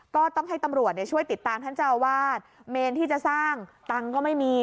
ก็ต้องให้ตำรวจช่วยติดตามท่านเจ้าวาดเมนที่จะสร้างตังค์ก็ไม่มี